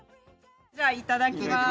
じゃあいただきます。